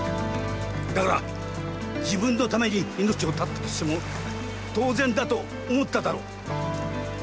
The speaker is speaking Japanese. だから自分のために命を絶ったとしても当然だと思っただろう。